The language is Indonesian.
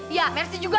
iya mersi juga